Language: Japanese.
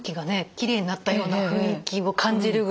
きれいになったような雰囲気を感じるぐらい。